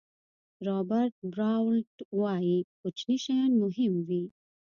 رابرټ براولټ وایي کوچني شیان مهم وي.